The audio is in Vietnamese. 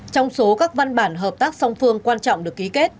trong số các văn bản hợp tác song phương quan trọng được ký kết